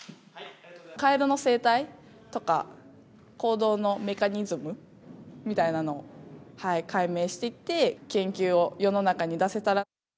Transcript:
カエルの生態とか、行動のメカニズムみたいなのを解明していって、研究を世の中に出せたら。